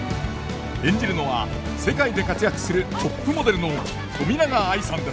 演じるのは世界で活躍するトップモデルの冨永愛さんです。